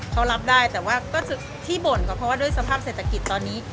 เขารับได้แต่ว่าก็ที่บ่นก็เพราะว่าด้วยสภาพเศรษฐกิจตอนนี้